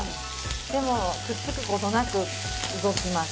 でもくっつく事なく動きます。